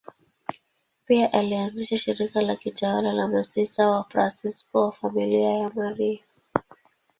Pia alianzisha shirika la kitawa la Masista Wafransisko wa Familia ya Maria.